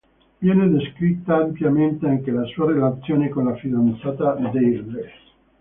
Viene descritta ampiamente anche la sua relazione con la fidanzata "Deirdre".